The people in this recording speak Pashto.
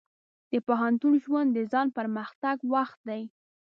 د پوهنتون ژوند د ځان پرمختګ وخت دی.